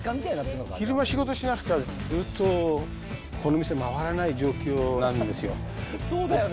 昼間仕事しなくちゃ、ずっとこの店回らない状況なんですよ。